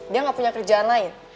dia nggak punya kerjaan lain